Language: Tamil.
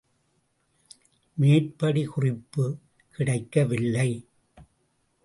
மேற்படி குறிப்பு கிடைக்கவில்லை.